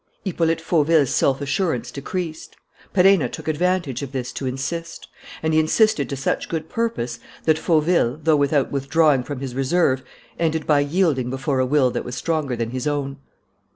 Hippolyte Fauville's self assurance decreased. Perenna took advantage of this to insist; and he insisted to such good purpose that Fauville, though without withdrawing from his reserve, ended by yielding before a will that was stronger than his own.